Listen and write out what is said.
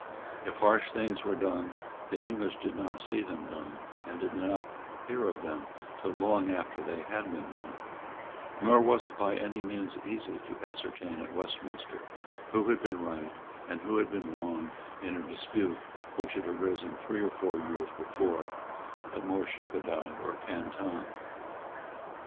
If harsh things were done, the English did not see them done, and did not hear of them till long after they had been done; nor was it by any means easy to ascertain at Westminster who had been right and who had been wrong in a dispute which had arisen three or four years before at Moorshedabad or Canton.